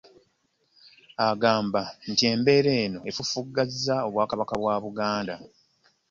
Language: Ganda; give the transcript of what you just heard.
Agamba nti embeera eno efufuggazza obwakabaka bwa Buganda